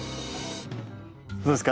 どうですか？